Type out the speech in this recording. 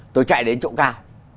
tôi chạy đến chỗ cao